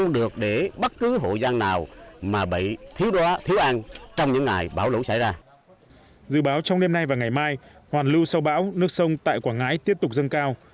dự báo trong đêm nay và ngày mai hoàn lưu sau bão nước sông tại quảng ngãi tiếp tục dâng cao